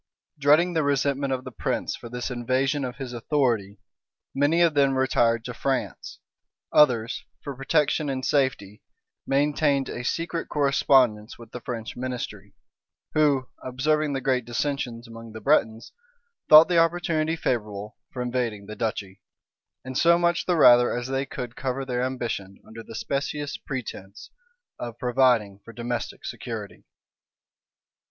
Dreading the resentment of the prince for this invasion of his authority, many of them retired to France; others, for protection and safety, maintained a secret correspondence with the French ministry, who, observing the great dissensions among the Bretons, thought the opportunity favorable for invading the duchy; and so much the rather as they could cover their ambition under the specious pretence of providing for domestic security.